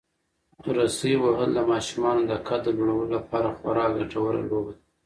رسۍ وهل د ماشومانو د قد د لوړولو لپاره خورا ګټوره لوبه ده.